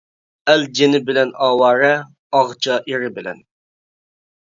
ئەل جېنى بىلەن ئاۋارە، ئاغىچا ئېرى بىلەن.